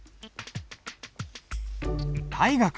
大河君。